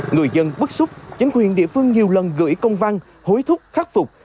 người dân bức xúc chính quyền địa phương nhiều lần gửi công văn hối thúc khắc phục